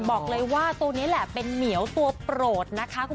บอกเลยว่าตัวนี้แหละเป็นเหมียวตัวโปรดนะคะ